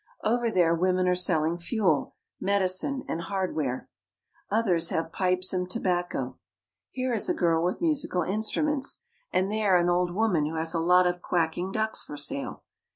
Over there women are selling fuel, medi cine, and hardware. Others have pipes and tobacco. Here is a girl with musical instruments, and there an old woman who has a lot of quacking ducks for sale.